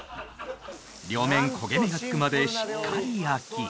両面焦げ目が付くまでしっかり焼き